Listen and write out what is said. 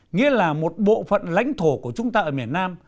nghĩa là một bộ phận lãnh thổ của chúng ta ở miền nam